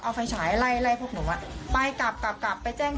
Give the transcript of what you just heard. เอาไฟฉายไล่ไล่พวกหนูอ่ะไปกลับกลับกลับไปแจ้ง